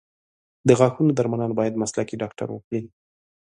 د غاښونو درملنه باید مسلکي ډاکټر وکړي.